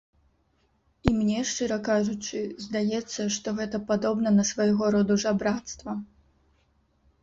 І мне, шчыра кажучы, здаецца, што гэта падобна на свайго роду жабрацтва.